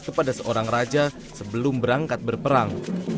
kepada seorang raja sebelum berangkat berperang